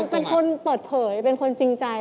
เป็นคนเปิดเผยเป็นคนจริงใจ